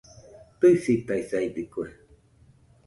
Tɨisitaisaidɨkue